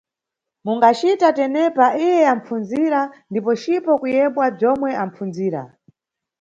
Mungacita tenepa iye anipfundzira ndipo cipo kuyebwa bzomwe apfundzira.